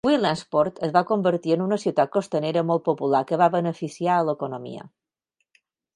Williamsport es va convertir en una ciutat costanera molt popular que va beneficiar a l'economia.